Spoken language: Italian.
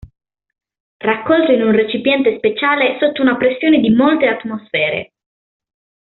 Raccolto in un recipiente speciale sotto una pressione di molte atmosfere.